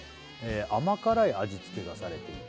「甘辛い味付けがされていて」